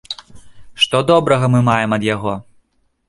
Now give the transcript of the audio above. Што добрага мы маем ад яго?